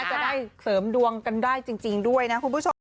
จะได้เสริมดวงกันได้จริงด้วยนะคุณผู้ชม